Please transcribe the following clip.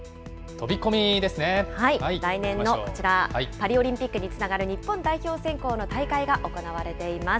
来年のこちら、パリオリンピックにつながる日本代表選考の大会が行われています。